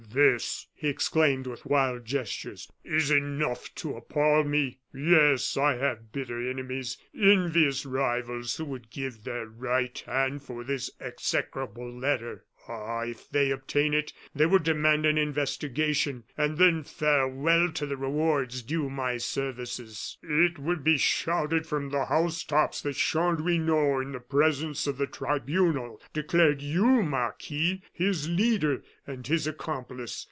"This," he exclaimed, with wild gestures, "is enough to appall me! Yes, I have bitter enemies, envious rivals who would give their right hand for this execrable letter. Ah! if they obtain it they will demand an investigation, and then farewell to the rewards due to my services. "It will be shouted from the house tops that Chanlouineau, in the presence of the tribunal, declared you, Marquis, his leader and his accomplice.